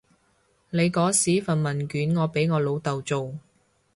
你嗰時份問卷我俾我老豆做